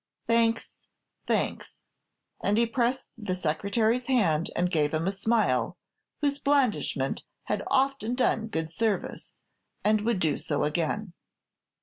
Thanks, thanks;" and he pressed the Secretary's hand, and gave him a smile, whose blandishment had often done good service, and would do so again!